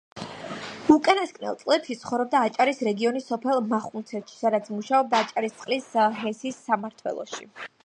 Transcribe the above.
უკანასკნელ წლებში ცხოვრობდა აჭარის რეგიონის სოფელ მახუნცეთში, სადაც მუშაობდა აჭარისწყლის ჰესის სამმართველოში.